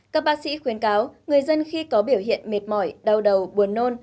các bác sĩ khuyến cáo người dân khi có biểu hiện mệt mỏi đau đầu buồn nôn